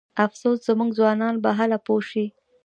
افسوس زموږ ځوانان به هله پوه شي.